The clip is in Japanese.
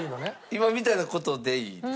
今みたいな事でいいです。